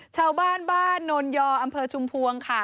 ชาวบ้านบ้านโนนยออำเภอชุมพวงค่ะ